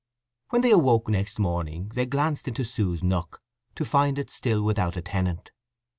When they awoke the next morning they glanced into Sue's nook, to find it still without a tenant.